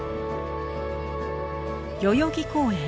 代々木公園。